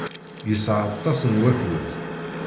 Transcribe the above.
Yesɛa aṭas n wakud.